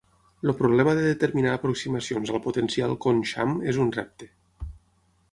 El problema de determinar aproximacions al potencial Kohn-Sham és un repte.